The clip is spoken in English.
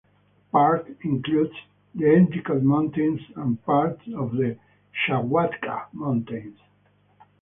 The park includes the Endicott Mountains and part of the Schwatka Mountains.